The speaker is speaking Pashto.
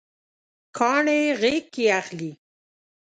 کاڼي یې غیږکې اخلي